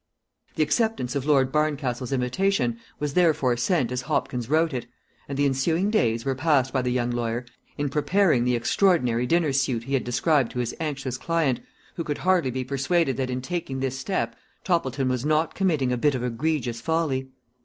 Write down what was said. The acceptance of Lord Barncastle's invitation was therefore sent as Hopkins wrote it, and the ensuing days were passed by the young lawyer in preparing the extraordinary dinner suit he had described to his anxious client, who could hardly be persuaded that in taking this step Toppleton was not committing a bit of egregious folly.